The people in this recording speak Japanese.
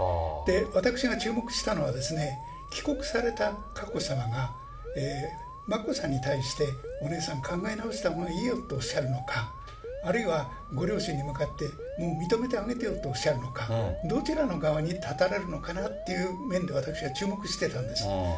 私が注目したのは、帰国された佳子さまが眞子さんに対して、お姉さん、考え直したほうがいいよとおっしゃるのか、あるいは、ご両親に向かってもう認めてあげてよとおっしゃるのか、どちらの側に立たれるのかなという面で私は注目してたんです。